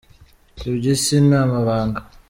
Ibyo isi ni amabanga.